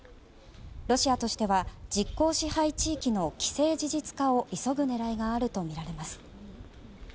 ロシアとしては実効支配地域の既成事実化を急ぐ狙いがあるとみられます。